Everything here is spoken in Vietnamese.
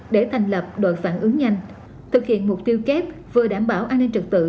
để thành lập đội phản ứng nhanh thực hiện mục tiêu kép vừa đảm bảo an ninh trật tự